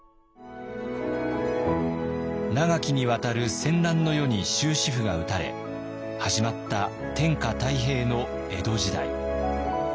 長きにわたる戦乱の世に終止符が打たれ始まった天下太平の江戸時代。